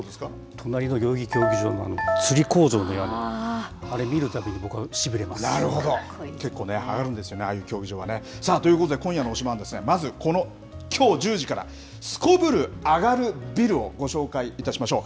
隣の代々木競技場のつり構造の屋根、あれ見るたびに僕はしび結構上がるんですよね、ああいう競技場は、さあ、ということで今夜の推しバン！はまずこのきょう１０時からすこぶるアガるビルをご紹介いたしましょう。